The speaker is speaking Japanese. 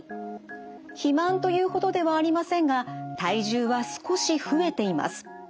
肥満というほどではありませんが体重は少し増えています。